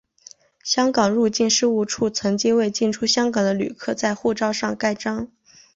香港入境事务处曾经为进出香港的旅客在护照上盖章。